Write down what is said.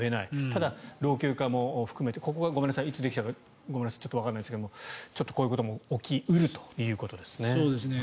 ただ、老朽化も含めてここがいつできたかちょっとわからないですがこういうことも起き得るということですね。